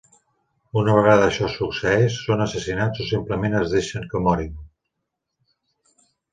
Una vegada això succeeix són assassinats o simplement es deixen que morin.